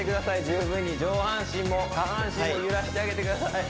十分に上半身も下半身も揺らしてあげてください